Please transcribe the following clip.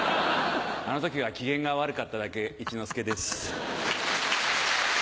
あの時は機嫌が悪かっただけ一之輔です。